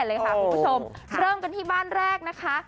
เราเริ่มกันที่บ้านแรกนะคะ